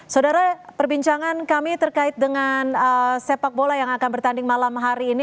saudara perbincangan kami terkait dengan sepak bola yang akan bertanding malam hari ini